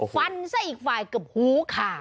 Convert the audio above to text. ฟันซะอีกฝ่ายเกือบฮูค่ะ